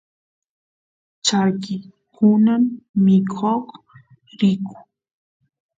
charki kunan mikoq riyku